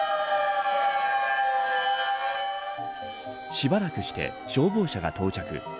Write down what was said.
しばらくして消防車が到着。